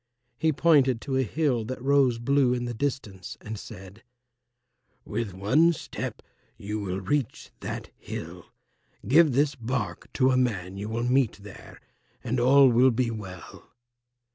He pointed to a hill that rose blue in the distance and said, "With one step you will reach that hill. Give this bark to a man you will meet there, and all will be well."